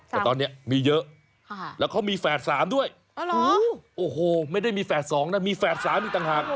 แต่ตอนนี้มีเยอะแล้วเขามีแฝด๓ด้วยโอ้โหไม่ได้มีแฝด๒นะมีแฝด๓อีกต่างหาก